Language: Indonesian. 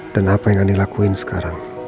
dan apa yang andin lakuin sekarang